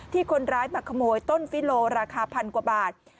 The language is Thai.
คนร้ายมาขโมยต้นฟิโลราคาพันกว่าบาท